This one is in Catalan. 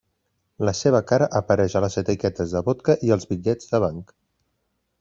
La seva cara apareix a les etiquetes de vodka i als bitllets de banc.